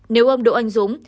nếu ông đỗ anh dũng